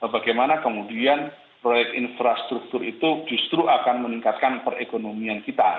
bagaimana kemudian proyek infrastruktur itu justru akan meningkatkan perekonomian kita